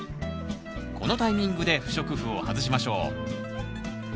このタイミングで不織布を外しましょう。